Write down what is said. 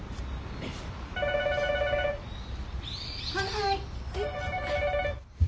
☎はい。